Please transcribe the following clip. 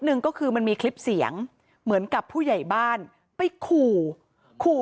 หนึ่งก็คือมันมีคลิปเสียงเหมือนกับผู้ใหญ่บ้านไปขู่ขู่